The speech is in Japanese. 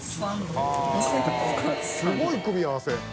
呂繊すごい組み合わせ。